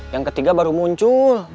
yang ketiga baru muncul